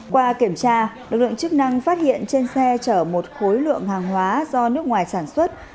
qua kiểm tra lực lượng chức năng phát hiện trên xe chở một khối lượng hàng hóa do nước ngoài sản xuất